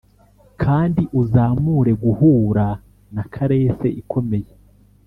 kandi uzamure guhura na caress ikomeye